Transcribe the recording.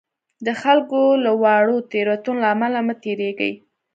د خلکو له واړو تېروتنو له امله مه تېرېږئ.